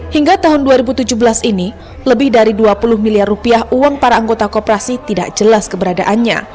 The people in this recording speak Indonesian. hingga tahun dua ribu tujuh belas ini lebih dari dua puluh miliar rupiah uang para anggota koperasi tidak jelas keberadaannya